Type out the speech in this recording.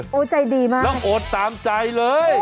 อยู่นี่หุ่นใดมาเพียบเลย